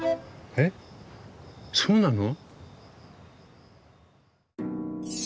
えっそうなの？